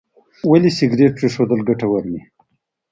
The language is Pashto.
ولې سګریټ پرېښودل ګټور دي؟